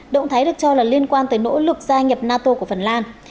động thái được cho là liên quan tới nỗ lực gia nhập nato của phần lan